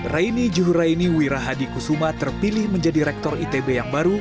raini juhuraini wirahadi kusuma terpilih menjadi rektor itb yang baru